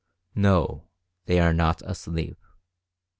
No! they are not asleep.